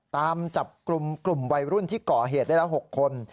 ตามจับกลุ่มกลุ่มวัยรุ่นที่ก่อเหตุได้แล้ว๖คน